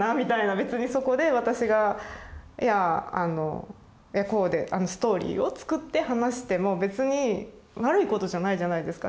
別にそこで私がいやこうでストーリーを作って話しても別に悪いことじゃないじゃないですか。